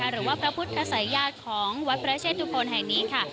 หรือว่าพระพุทธศัยญาติของวัดพระเชตุพลแห่งนี้ค่ะ